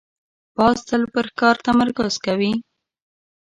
باز تل پر ښکار تمرکز کوي